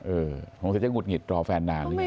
เออหงุดหงิดรอแฟนนานหรือยัง